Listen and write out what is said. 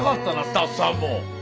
スタッフさんも。